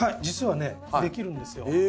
じつはねできるんですよ。